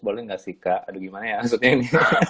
boleh nggak sih kak aduh gimana ya maksudnya ini